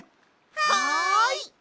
はい！